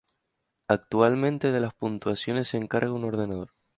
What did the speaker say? Actualmente de las puntuaciones se encarga un ordenador.